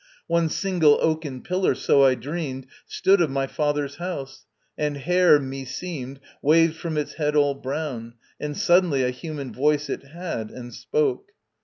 One single oaken pillar, so I dreamed, Stood of my father's house; and hair, meseemed, Waved from its head all brown: and suddenly A human voice it had, and spoke.